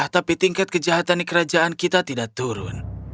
tapi tingkat kejahatan di kerajaan kita tidak turun